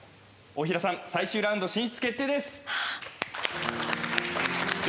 幸澤さん、最終ラウンド進出決定です。